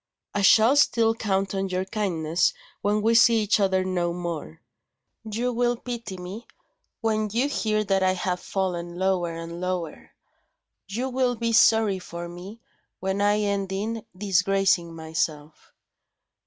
I shall still count on your kindness when we see each other no more. You will pity me, when you hear that I have fallen lower and lower; you will be sorry for me, when I end in disgracing myself."